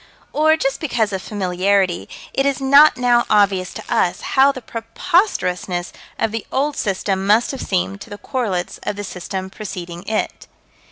Or, just because of familiarity, it is not now obvious to us how the preposterousnesses of the old system must have seemed to the correlates of the system preceding it.